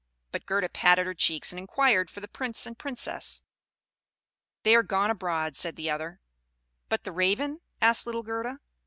But Gerda patted her cheeks, and inquired for the Prince and Princess. "They are gone abroad," said the other. "But the Raven?" asked little Gerda.